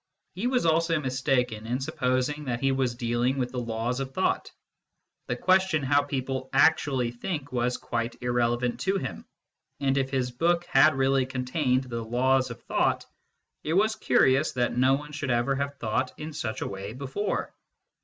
He was also mistaken in supposing that he was dealing with the laws of thought : the question how people actually think was quite irrelevant to him, and if his book had really con tained the laws of thought, it was curious that no one should ever have thought in such a way before.